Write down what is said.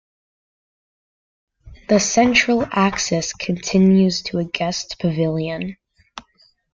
The central axis continues to a guest pavilion.